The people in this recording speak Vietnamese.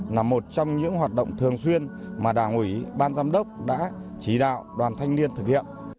là một trong những hoạt động thường xuyên mà đảng ủy ban giám đốc đã chỉ đạo đoàn thanh niên thực hiện